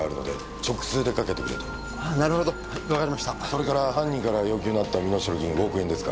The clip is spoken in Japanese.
それから犯人から要求のあった身代金５億円ですか。